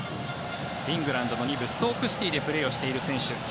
イングランドの２部ストーク・シティーでプレーをしている選手。